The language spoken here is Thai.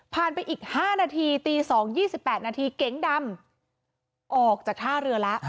ไปอีก๕นาทีตี๒๒๘นาทีเก๋งดำออกจากท่าเรือแล้ว